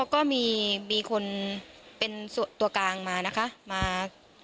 ก็มีคนเป็นตัวกลางมานะคะมา